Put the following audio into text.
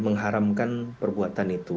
mengharamkan perbuatan itu